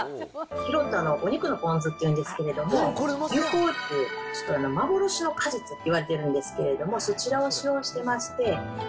ひろたのお肉のぽんずっていうんですけど、柚香っていう、幻の果実っていわれてるんですけど、そちらを使用してまして。